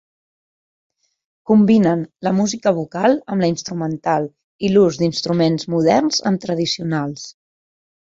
Combinen la música vocal amb la instrumental i l'ús d'instruments moderns amb tradicionals.